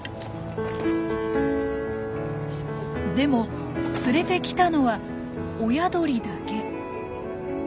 でも連れてきたのは親鳥だけ。